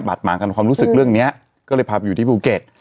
หมางกันความรู้สึกเรื่องเนี้ยก็เลยพาไปอยู่ที่ภูเก็ต